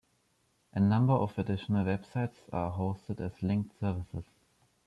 A number of additional websites are hosted as linked services.